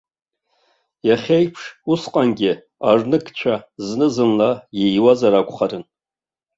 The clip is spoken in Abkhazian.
Иахьа еиԥш усҟангьы арныгцәа зны-зынла ииуазар акәхарын.